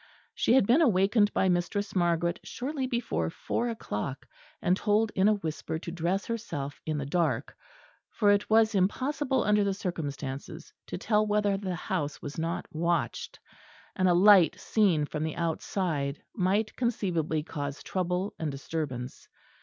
She had been awakened by Mistress Margaret shortly before four o'clock and told in a whisper to dress herself in the dark; for it was impossible under the circumstances to tell whether the house was not watched; and a light seen from outside might conceivably cause trouble and disturbance.